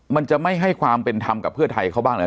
มันจะไม่ให้ความเป็นธรรมกับเพื่อไทยเขาบ้างเหรอ